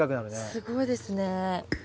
すごいですね。